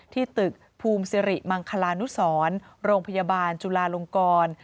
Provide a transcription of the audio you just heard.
ที่ตึกภูมิสิริมังคลานุสรโรงพยาบาลจุลาลงกร